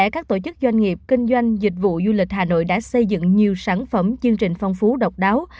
các tổ chức doanh nghiệp kinh doanh dịch vụ du lịch hà nội đã xây dựng nhiều sản phẩm chương trình phong phú độc đáo